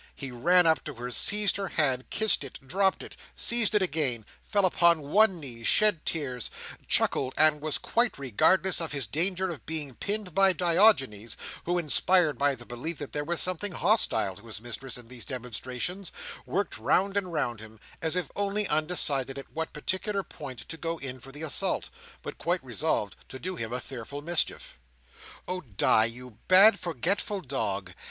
He ran up to her, seized her hand, kissed it, dropped it, seized it again, fell upon one knee, shed tears, chuckled, and was quite regardless of his danger of being pinned by Diogenes, who, inspired by the belief that there was something hostile to his mistress in these demonstrations, worked round and round him, as if only undecided at what particular point to go in for the assault, but quite resolved to do him a fearful mischief. "Oh Di, you bad, forgetful dog!